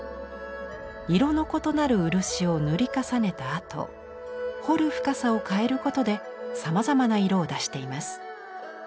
色の異なる漆を塗り重ねたあと彫る深さを変えることでさまざまな色を出しています。